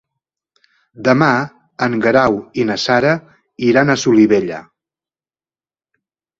Demà en Guerau i na Sara iran a Solivella.